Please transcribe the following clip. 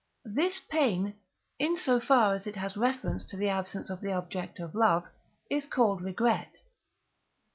This pain, in so far as it has reference to the absence of the object of love, is called Regret.